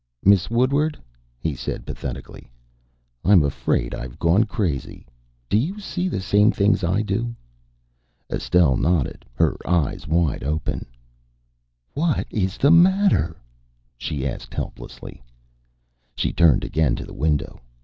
"Miss Woodward," he said pathetically, "I'm afraid I've gone crazy. Do you see the same things I do?" Estelle nodded. Her eyes wide open. "What is the matter?" she asked helplessly. She turned again to the window.